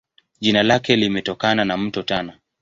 Jina lake limetokana na Mto Tana.